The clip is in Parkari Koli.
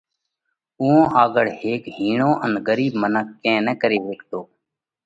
اُوئا آڳۯ هيڪ هِيڻو ان ڳرِيٻ منک ڪئين نه ڪري هيڪتو۔